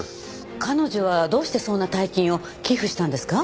彼女はどうしてそんな大金を寄付したんですか？